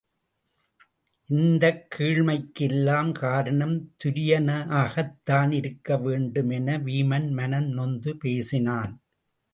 இந்தக் கீழ்மைக்கு எல்லாம் காரணம் துரியனாகத்தான் இருக்க வேண்டும் என வீமன் மனம் நொந்து பேசினான்.